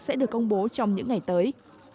sẽ được công bố trong những ngày tới